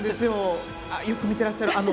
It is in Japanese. よく見てらっしゃる。